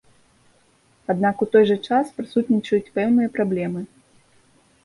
Аднак у той жа час прысутнічаюць пэўныя праблемы.